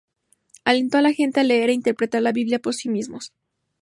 Alentó a la gente a leer e interpretar la Biblia por sí mismos.